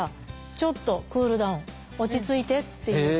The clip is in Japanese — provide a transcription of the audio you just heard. ちょっとクールダウン落ち着いて」っていうこと。